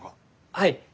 はい。